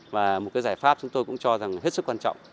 và một cái giải pháp chúng tôi cũng cho rằng hết sức quan trọng